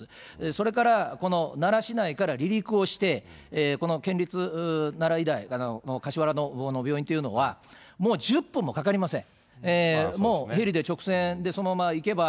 それからこの奈良市内から離陸をして、この県立奈良医大、かしはらの病院というのは、もう１０分もかかりません。